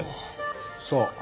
そう。